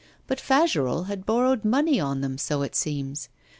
But Fagerolles had borrowed money on them, so it seems.